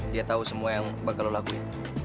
dia tahu semua yang bakal lo lakuin